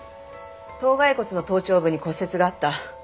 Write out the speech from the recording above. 頭蓋骨の頭頂部に骨折があった。